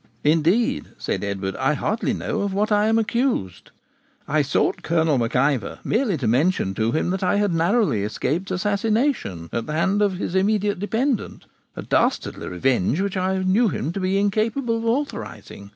'Indeed,' said Edward, 'I hardly know of what I am accused. I sought Colonel Mac Ivor merely to mention to him that I had narrowly escaped assassination at the hand of his immediate dependent, a dastardly revenge which I knew him to be incapable of authorising.